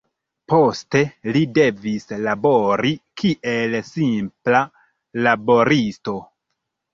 Poste li devis labori kiel simpla laboristo.